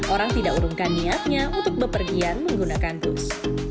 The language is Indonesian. orang tidak urungkan niatnya untuk bepergian menggunakan bus